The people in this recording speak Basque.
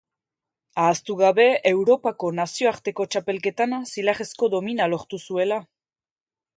Ahaztu gabe Europako nazioarteko txapelketan zilarrezko domina lortu zuela.